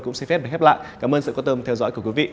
cũng xin phép để khép lại cảm ơn sự quan tâm theo dõi của quý vị